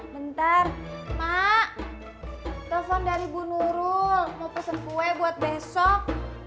bentar mak telepon dari bu nurul mau pesen kue buat besok